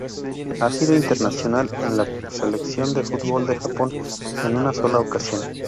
Ha sido internacional con la Selección de fútbol de Japón en una sola ocasión.